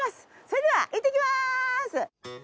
それではいってきます！